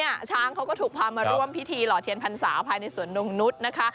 นี่ช้างเขาก็ถูกพามาร่วมพิธีหล่อเทียนภัณฑ์ศาสตร์ภายในสวนโรงนุษย์นะคะ